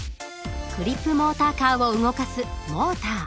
クリップモーターカーを動かすモーター。